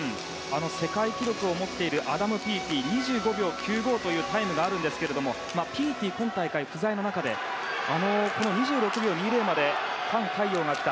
世界記録を持っているアダム・ピーティは２５秒９５というタイムがあるんですがピーティが今大会、不在という中でこの２６秒２０までタン・カイヨウが来た。